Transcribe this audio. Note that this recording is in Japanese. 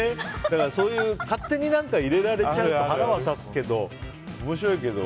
そういう勝手に入れられちゃうと腹は立つけど面白いけど。